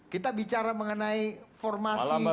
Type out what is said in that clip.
kita bicara mengenai formasi